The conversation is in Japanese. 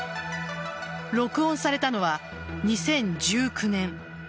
録音されたのは２０１９年。